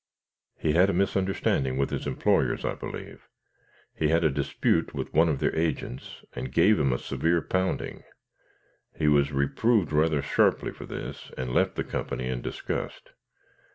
"He had a misunderstanding with his employers, I believe. He had a dispute with one of their agents, and gave him a severe pounding. He was reproved rather sharply for this and left the company in disgust.